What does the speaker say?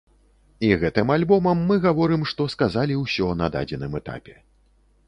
І гэтым альбомам мы гаворым, што сказалі ўсё на дадзеным этапе.